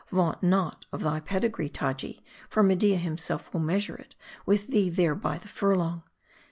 Vaunt not of thy pedigree, Taji ; for Media himself will measure it with thee there by the furlong.